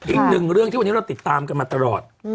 อีกหนึ่งเรื่องที่วันนี้เราติดตามกันมาตลอด